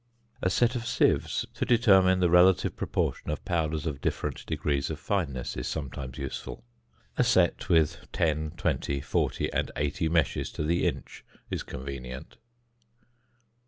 A set of sieves to determine the relative proportion of powders of different degrees of fineness is sometimes useful. A set with 10, 20, 40 and 80 meshes to the inch is convenient.